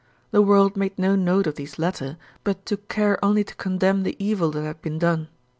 The world made no note of these latter, but took care only to condemn the evil that had been done.